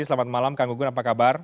selamat malam kang gunggun apa kabar